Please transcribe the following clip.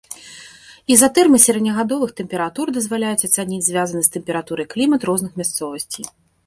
Ізатэрмы сярэднегадавых тэмператур дазваляюць ацаніць звязаны з тэмпературай клімат розных мясцовасцей.